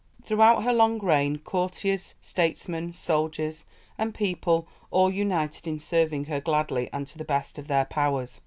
Throughout her long reign, courtiers, statesmen, soldiers, and people all united in serving her gladly and to the best of their powers.